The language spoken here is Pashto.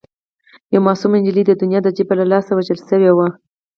یوه معصومه نجلۍ د دنیا د جبر له لاسه وژل شوې وه